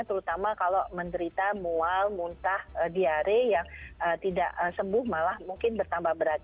terutama kalau menderita mual muntah diare yang tidak sembuh malah mungkin bertambah berat